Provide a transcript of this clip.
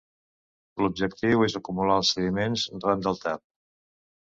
L'objectiu és acumular els sediments ran del tap.